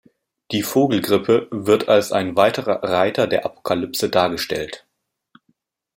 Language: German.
Die Vogelgrippe wird als ein weiterer Reiter der Apokalypse dargestellt.